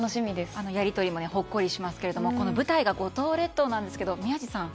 あのやり取りもほっこりしますけど舞台が五島列島なんですが宮司さん？